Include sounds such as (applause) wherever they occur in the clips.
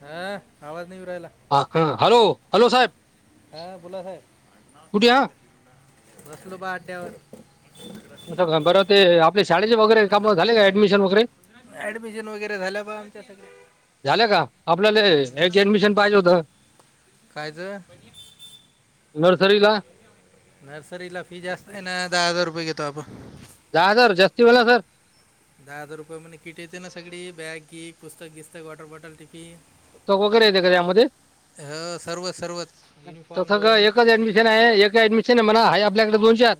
हा आवाज नाही येऊ राहिला हॅलो हॅलो साहेब. हा बोला साहेब कुठे हा रसलो बा अड्डे्यावरवर असं का बरं ते आपले शाळेचे वगैरे काम झाले का ऍडमिशन वगैरे ऍडमिशन वगैरे झाल्या बा आमच्या सगळ. झाल्या का आपल्याला याची ऍडमिशन पाहिजे होत. (unintelligible) नर्सरीला नर्सरी ला फी जास्त आहे ना दहा हजार रुपये घेतो आपण जाज जास्ती बला सर दहा हजार रुपये म्हणजे किट येते ना सगळी बॅग की पुस्तक घिस्तक वॉटर बॉटल टिफी त कक येत का यामध्ये हो सर्व सर्वच युनिफॉर्म तसं ग दोन एकच ऍडमिशन आहे एक ऍडमिशन आहे म्हणा. आपल्याकडे दोन चार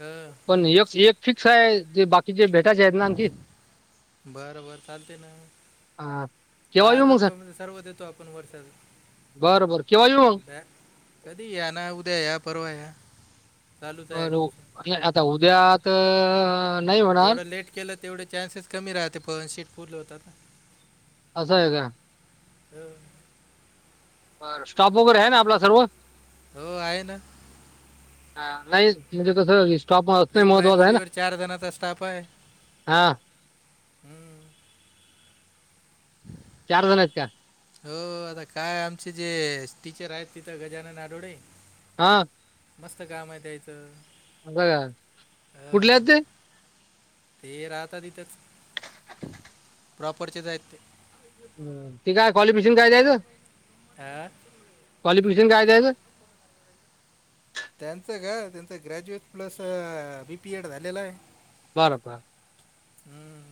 हो पण एक फिक्स आहे बाकी कि जे बेटाच्या आहेत ना आण कि बरं चालते ना केव्हा दहा येऊ हजार मग सर रुपया म सर्व देतो आपण बरं बरं केव्हा येऊ मग वर्षाचा कधी या ना उद्या या परवा या. चालूच आहे ॲडमिशन बर आता उद्यात. जेवढं लेट केलं तेवढे चान्सेस कमी राहते पन शीट पूरलं होतात. असं आहे का? हो. बर स्टॉफ वगैरे आहे ना आपला सर्व हो आहे ना. हा नाही म्हणजे कस वि प्रि प्रायमरी वर चार जणचा स्टाफ आहे हा हम्. चार जण आहेत का? हो आता काय आमचे जे टीचर आहेत तिथं गजानन आठोडे. हा मस्त काम आहे द्यायचं. ब काा कुठले आ. ते राहत तिथेच प्रॉपरचेच आहेत ते ते काय क्वालिफेशन काय दयच. आ. क्वालिफिकेशन काय हेच. त्यांचं का त्यांचं ग्रॅज्युएट प्लस बीपीएड झालेला आहे. बरं बर हम्म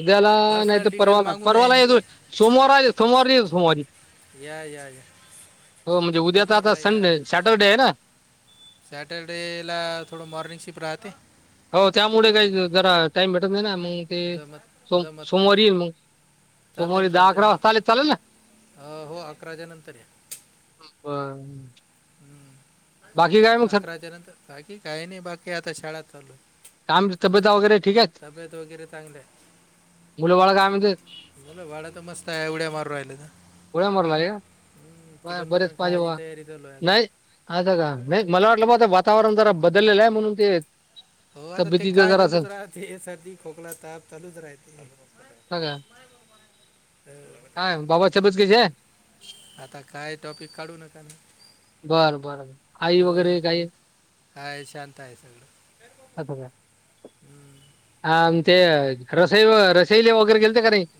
उद्याला नाहीत परवाला परवा ला नये येतो सोमवार सोमवारारी येत सोमवारी या या या हो म्हणजे उद्याता आता संडे सॅटरडे आहे ना. सॅटरडे ला थोडं मॉर्निंग शिफ्ट राहते. हो त्यामुळे काही जरा टाइम भेटत नाही ना मग ते जमत सम जमत नाही सोमवारी येईल मग चालते सोमवारी ना दहा चालते अकरा ना वाजता आले चालेल ना अ हो अकराच्या नंतर या. ह. हम्म. अकराच्या नंतर बाकी काही नाही बाकी आता शाळा चालू. कामची तब्यता वगैरे ठीके तब्येत वगैरे चांगली मुलं बाळ काम बला भाडा तर मस्त आहे उवड्या मारू राहिल तर गोळ्या मारू लागले हम्म, चिकन बरेच मटण पाहिजे खायची बा तयारी चालू आहे नाही आता असं का नाही मला वाटलं. वातावरण जरा बदललेलं आहे म्हणून ते हो आता ते तब्येतीचं काय जरा चालूच असं राहते सर्दी खोकला ताप चालूच राहते. अं, हा बाबा चबत कचे आता काय टॉपिक काढू नका म बर बरं आई वगैरे काय हा शांत आहे सगळ आ आम ते रसाहेब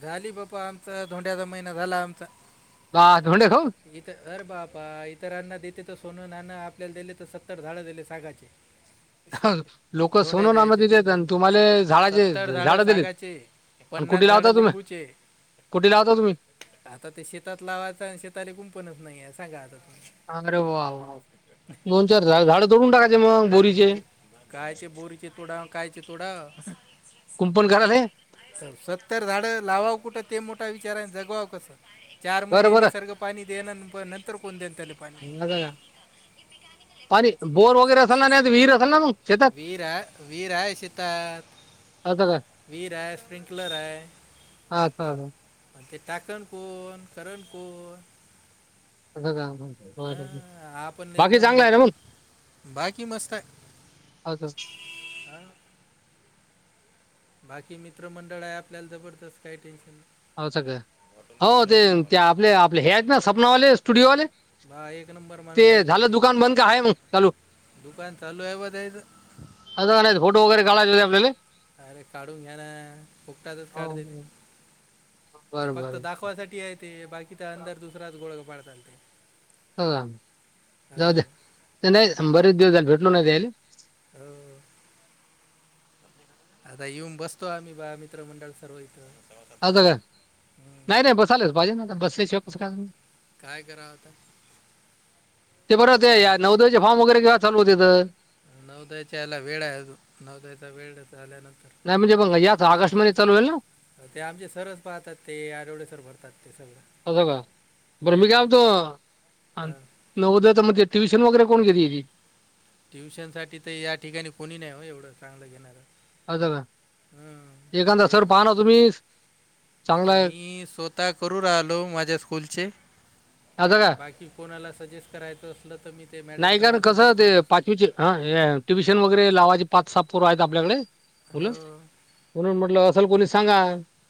झाली बा्पा आमचा धोंड्याचा महिना झाला आमचा बा धोंडे खाऊन इत अरे बापा इतरांना देते तर सोनून आपल्याला दिले तर सत्तर झाड दिले सागाचे (inaudible) लोक सोनो धोंड्याच्या नाम ह्याच्यात दिलेेत आणि तुम्हाला झाडाचे झाड दिलेत आणि कुठे झा लावता तुम्ही लंब कुठे लावता तुम्ही आ शेत श कुंपच नाही आहे सांगा आ हरे वा वा दोन चार झा झाडं तोडून टाका कायचे बोरीचे तोडा कायचे तोडा कुंपण करायला हे. सत्तर झाड लावावं कुठं ते मोठा विचार आहे जगवाव कसं चार बरं महिने बरं निसर्ग पाणी देणार नंतर कोण देन त्याले पाणी असं का? पाणी बोर वगैरे अस ना नाही वहीर रसल ना त वीर वीर सितात असं का वीर आहे स्प्रिंकलर आहे अच्छा हा आणि ते टाकण कोण करण कोण हो ह हो हा आपण एकदम मग बाकी मस्त आहे आच हां बाकी मित्रमंडळ आहे आपल्याला जबरदस्त काय टेन्शन नाही हो स काळय हो ते ते आपले आपले हे आहेत ना सपनावाले स्टुडिओवाले बा एक नंबर ते माणूस आहे झालं दुकान बंद का आहे मंग चालू दुकान चालू आहे बा त्याचं अता फोटो वगैरे काळाज अरे काढून घ्या ना फुकटातच काढतेी हो. हे बरं फक्त बरं दाखवासाठी आहे ते बाकीचा अंदर दुसराच गोळा पड चालते हो हो जा बरव भेटलली हो आता येऊन बसतो आम्ही बा मित्रमंडळ सर्व इथं असं काय नाही नाही बस आलेच पाहिजे ना बस शिवापस का काय करावं आता ते बर या नौदयाचे फारम वगैरे घे चालू होते तर नवदयाच्या याला वेळ नवदायाचा वेळ झाल्यानंतर नाही म्हणजे पंग आकाश म न चालू आहेल ते आमचे सरच पाहतात ते आठवडेसर भरतात ते सगळं बर मी का आतो हा. नवदय म्हण ट्यशन वगैरे कोण घे ती ट्युशन साठी तर या ठिकाणी कोणी नाही हो एवढं चांगलं घेणार अ का एखादा सर देख पाह ना तुम्ही चांगला आता मी स्वतः करू राहिलो माझ्या स्कूलचे आता का बाकी कोणाला सजेस्ट करायचो नाही का कसं ते पाचवीची ट्युशन वगैरे लावायचे पाच साप पुर्व आहेत आपल्याकडे होला हो म्हणून म्हटलं असल कोणी सांगा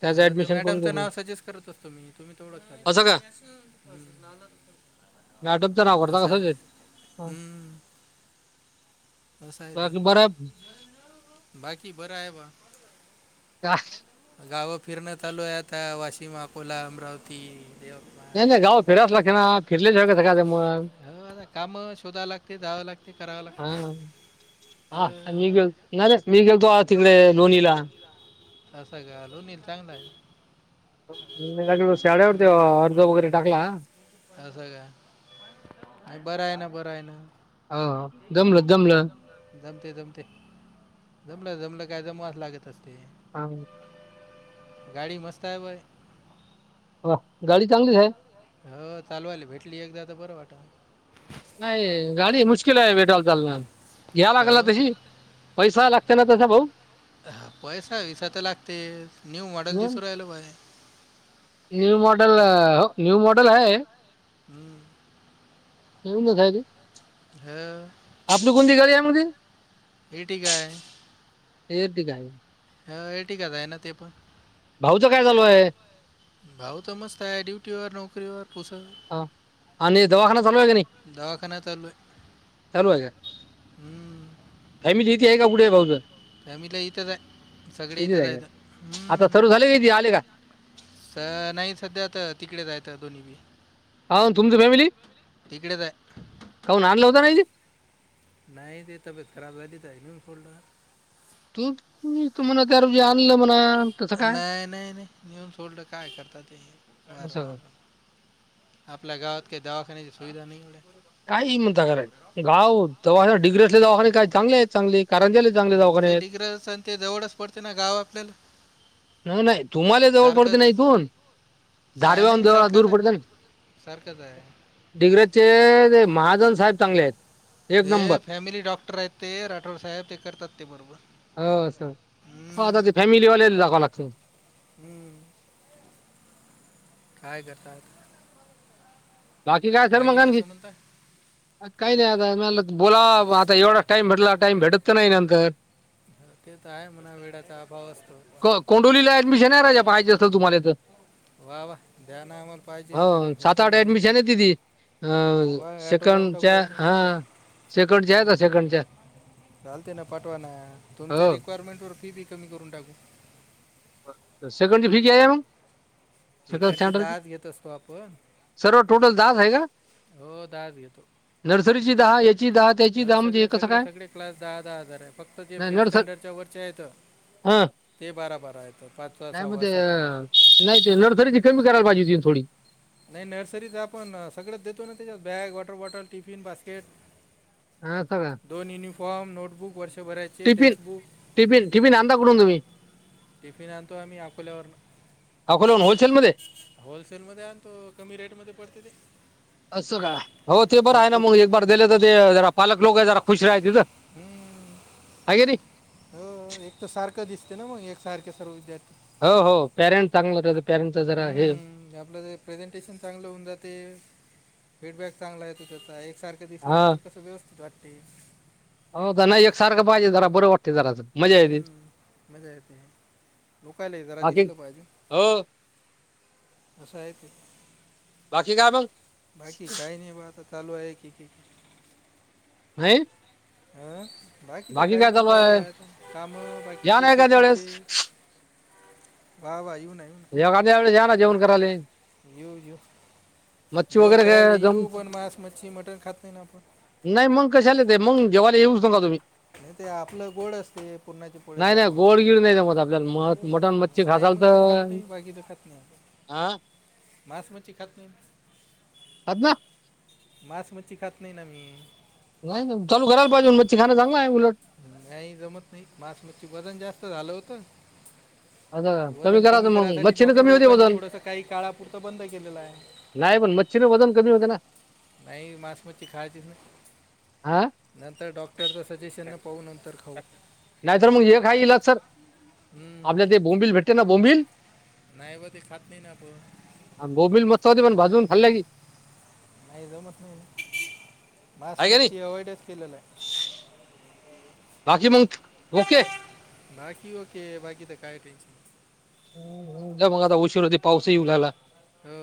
त्याचं ह ते ऍडमिशन करून मॅडमचं देतो नाव सजेस्ट करत असतो मी तुम्ही तेवढंल मॅटम तर नाव करता कसच हम्म कस आहे ते बाकी बरं आहे बाकी बरं आहे बा का गावं फिरण्यात चालू आहे आता वाशिम अकोला अमरावती यवतमाळ नाही नाही गाव फिरायला की ना फिरल्या शवाग हो आ काम शोधाव लागते जावं लागते कराव लागते हां. हा हो, मी गेलो नाही रे मी गेलतो तिकडे लोणीला असं कालो नल चांगलं आहे ग शाळेवरती हम्म, अर्ध वगैरे टाकला असं का बरं आहे ना बरं आहे ना हो जमलं जमलं जमते जमते जमलं जमलं काय जमवास लागत असते हम गाडी मस्त आहे भाय ह गाडी चांगलीच आहे हो चालू आली भेटली एकदा तर बरं वाट नाही गाडी मुश्किल आहे वेटायला चालणार घ्या का लागल ना हो तशी पैसा ला ना तसा भाऊ हा पैसा विसा तर लागतेस न्यू मॉडेल हं? दिसून राहिल bye new model new model ह हम्म अजून का खायालीस? हो (inaudible) आपली कोणती गाडी हाय म्हणालीस? हे ठीक हाय. येती काय? ह हे ठीकच आहे ना ते पण भाऊच काय चालू हाय. भाऊ च मस्त आहे ड्युटीवर, नोकरीवर. पुस हा आणि दवाखाना चालू आहे काय नाही. दवाखाना चालू आहे (inaudible) चालू आहे काय? हम्म. (inaudible) हाय मी इथे आहे काय कुठे आहे भाऊ तुजा? फॅमिला इथच हाय सगळे इथच आहे का हाईत आता आणि सर्व झाले का इथे आले का (inaudible) अ नाही सध्या तर तिकडे जायचं दोन्ही बी अहो तुमची फॅमिली तिकडेच आहे (inaudible) काहून आणला होता ना इथे? नाही ते त खराब झाली तर इथून पुढणं (unintelligible) नाही नाही नाही, नेऊन सोडलं काय करत ते. असं (unintelligible) आपल्या गावात काही दवाखान्याची सुविधा नाही. काहीही म्हणता कारे गाव दवाखाने डिग्री असलेले दवाखाने काय चांगले आहेत चांगले. कारंजाले चांगले दवाखाने ते आहेत. डिग्र आणि ते जवळच पडते ना गाव आपल्याला नाही तुम्हाला जवळ पडते ना सारखंच इथून? आहे धारगावहुन नाही जवळ दूर सारखंच आहे पडत सारखंच आहे डिग्रीचे मा आजून साहेब चांगले आहेत. एक ते नंबर फॅमिली डॉक्टर आहेत ते राठोड साहेब चेक करतात ते पण हों असं हो आता ते फॅमिलीवालेला दाखवावं लागते. हम्म. काय करता? बाकी काय सर मग आणखी? काही नाही आता बोला आता एवढा टाइम भेटला टाइम भेटत तर नाही नंतर. ते तर आहे म्हणा वेळाचा अभाव असतो (inaudible) क कोंडोलीला ऍडमिशन आहे राजा पाहायचे असलं तुम्हाले तर वा वा, द्या ना आम्हाला पाहिजेे ऍडमिशन कोण नाही म्हणत चाललं दीदी अ लावून सेकंड टाकू च्या आपण हा सेकंडच्या आहे का सेकंडच्या? चालती ना पाठवा ना तुमच्या हो रिक्वायरमेंटवर फी बी कमी करून टाकू. सेकंड ची फि (unintelligible) तिकडची दहाच घेत असतो आपण सर्व टोटल दहाच आहे का? हो नर्सरीची दहा याची दहा त्याची ह दहा म्हणजे हे सगळे कसं सगळे काय सगळे क्लास दहा दहा हजार आहे फक्त जे नाही फिफ्थ नर्सर स्टँडर्डच्या वरचे आहे तर हा नाही सहावा म्हणजे सातवा ते नाही ते नर्सरी ची तरी कमी करायला पाहिजे होती. दिन थोडी. आणि नर्सरीचं आपण सगळंच देतो ना त्याच्यात bag, water bottle, tiffin, basket. असं. फॉर्म, नोटबुक वर्ष टिफिन टिफिन टिफिन आणता कुठून तुम्ही? टिफिन आणतो आम्ही अकोल्यावरन. अकोल्याहून होलसेल मध्ये होलसेल मध्ये आणतो कमी रेट मध्ये पडते ते असं का हो ते बरं आहे ना भरपूर मग एक बार दिले तर ते जरा पालक लोक आहे जरा खुश राहिल. हम्म हो एक तर सारखं दिसते ना मग एक सारखे सर्व विद्यार्थी हो हो पॅरेंट् चांगलं त्याचं हम्म, आपलं ते प्रेझेंटेशन चांगलं होऊन जाते, फीडबॅक चांगला आहे तु त्याचा एकसारखं हा दिसल्यानंतर कसं व्यवस्थित वाटते हो नाही एक सारखं पाहिजे जरा बरं वाटते जरा मजा येत हम्म, मजा येते बोकायला जरा बाकी दिसलं पाहिजे हो असं आहे ते बाकी काय मग बाकी काही नाही बा आता चालू आहे की क हा अं बाकी तर काही नाही चालू आहे आहेत काम या बाकीचे ना एखाद्या शेतीचे वेळेस वा वा येऊ ना येऊ ना जव व या ना जेवण कराले येऊ येऊ जेवण करायला येऊ पण मांस मच्छी मटण खात नाही ना आपण नाही मग कशाला मग जेवाला येऊ नका तुम्ही नाही ते आपलं गोड असते पुर्णाच्या पोळ्या नाही नाही सारखं गोड आता बागीच खात नाही मस मची खात नाही हात ना मास मच्छी खात नाही ना मी नाही चाू घराला पाजे मच्च खा जाग नाही जमत नाही मसमच्छ वजन जास्त झालं होतं आता वजन कमी करायचं मग करायसाठी मच्छीनं डॉक्टर कमी होते लोकांनी वजन थोडस काही काळापुरतं बंद केलेलं आहे नाही पण मच्छीर वजन कमी होते ना नाही मसमी खाचीस ना हा नंतर डॉक्टरचं सजेशन न पाहू नंतर खाऊ नाहीतर मग हे काय गला सर आपल्या ते बोंबिल भेटते ना बोंबिल नाहीव ते खात नाही ना प भा लागे आहे का नाही मासमुचची अवॉइडच केलेलं आहे राखी मत नाकीिओ क बाकी ते काय मग आता उशीर होती पाऊसही उलाला हो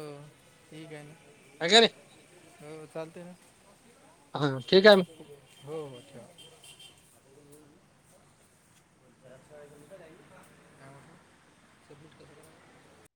ठीक आहे ना आहे का नाही हो चालते ना हा, ठीक आहे मग हो हो का (unintelligible)